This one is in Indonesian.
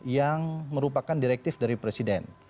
yang merupakan direktif dari presiden